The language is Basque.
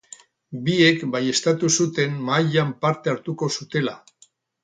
Biek baieztatu zuten mahaian parte hartuko zutela.